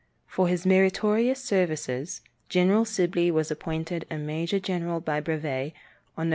For his meritorious services General Sibley was appointed a major general by brevet on Nov.